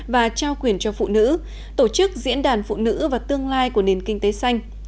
và trao quyền cho phụ nữ tổ chức diễn đàn phụ nữ và tương lai của nền kinh tế xanh